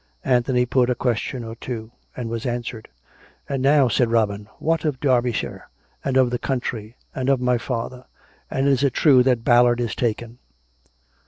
Anthony put a question or two, and was answered. " And now/' said Robin, " what of Derbyshire ; and of the country; and of my father.'' And is it true that Bal lard is taken?